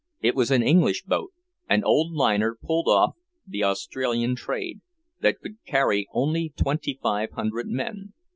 It was an English boat, an old liner pulled off the Australian trade, that could carry only twenty five hundred men.